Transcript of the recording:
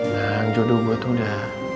nah jodoh gue tuh udah